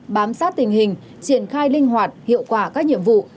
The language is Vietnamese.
bám sát tình hình triển khai linh hoạt hiệu quả các nhiệm vụ